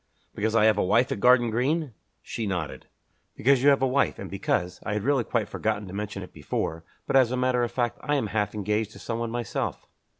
"Because I have a wife at Garden Green?" She nodded. "Because you have a wife, and because I had really quite forgotten to mention it before, but as a matter of fact I am half engaged to someone myself."